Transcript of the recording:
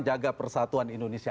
jaga persatuan indonesia